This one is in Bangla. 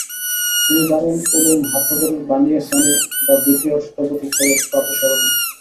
তিনি দারুল উলুম হাটহাজারীর বানীয়ে সানী বা দ্বিতীয় স্থপতি হিসেবে প্রাতঃস্মরণীয়।